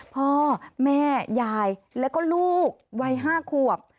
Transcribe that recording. พ่อแม่ยายแล้วก็ลูกวัย๕ขวบ